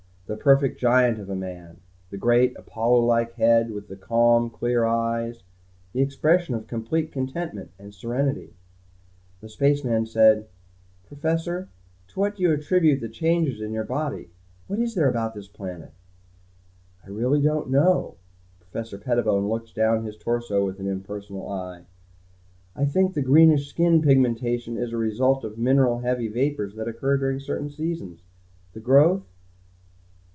The perfect giant of a man; the great, Apollo like head with the calm, clear eyes; the expression of complete contentment and serenity. The space man said, "Professor to what do you attribute the changes in your body. What is there about this planet ?" "I really don't know." Professor Pettibone looked down his torso with an impersonal eye. "I think the greenish skin pigmentation is a result of mineral heavy vapors that occur during certain seasons. The growth.